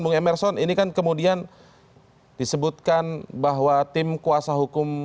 bung emerson ini kan kemudian disebutkan bahwa tim kuasa hukum